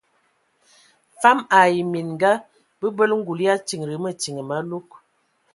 Fam ai minga bəbələ ngul ya tindi mətin malug.